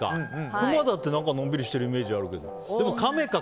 クマだってのんびりしてるイメージあるけど。